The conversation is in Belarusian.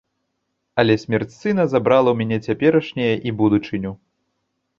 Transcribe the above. Але смерць сына забрала ў мяне цяперашняе і будучыню.